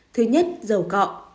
thứ nhất dầu cọ